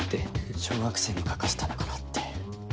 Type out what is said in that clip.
小学生に描かせたのかなって。